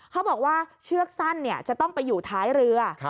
เขาบอกว่าเชือกสั้นจะต้องไปอยู่ท้ายเรือ